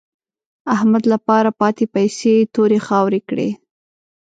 احمد له پاره پاتې پيسې تورې خاورې کړې.